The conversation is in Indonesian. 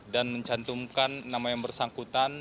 dan mencantumkan nama yang bersangkutan